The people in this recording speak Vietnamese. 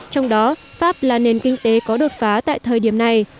trong đó pháp là nền kinh tế có đột phá tại thời điểm này